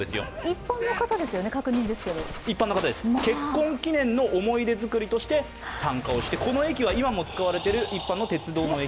一般の方ですよね、確認ですけど一般の方です、結婚記念の思い出作りとして参加してこの駅は今も使われている一般の鉄道の駅。